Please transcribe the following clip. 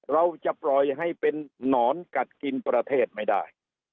เราจะปล่อยให้เป็นนอนกัดกินประเทศไม่ได้